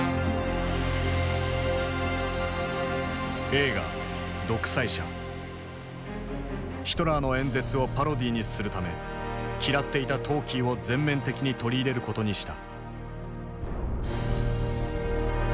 映画ヒトラーの演説をパロディーにするため嫌っていたトーキーを全面的に取り入れることにした。